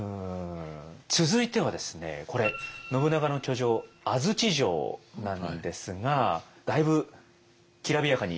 続いてはですねこれ信長の居城安土城なんですがだいぶきらびやかに。